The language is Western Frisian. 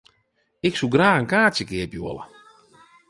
Ik soe graach in kaartsje keapje wolle.